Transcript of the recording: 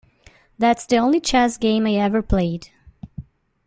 That's the only chess game I ever played.